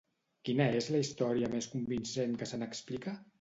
Quina és la història més convincent que se n'explica?